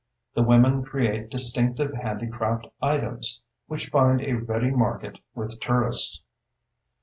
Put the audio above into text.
The women create distinctive handicraft items, which find a ready market with tourists.